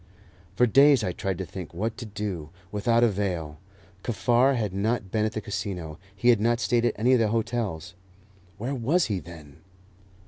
For days I tried to think what to do, without avail. Kaffar had not been at the Casino; he had not stayed at any of the hotels. Where was he, then?